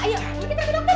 ayo kita duduk pak